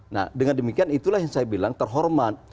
nah dengan demikian itulah yang saya bilang terhormat